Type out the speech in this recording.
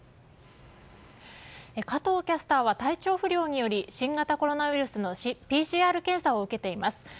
加藤キャスターは体調不良により新型コロナウイルスのＰＣＲ検査を受けています。